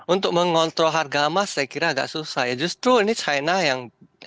untuk mengontrol harga emas saya kira agak susah ya justru ini china yang